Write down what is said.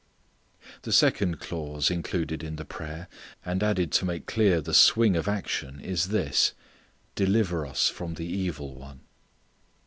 The second clause included in the prayer, and added to make clear the swing of action is this "deliver us from the evil one."